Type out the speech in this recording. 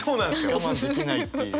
我慢できないっていう。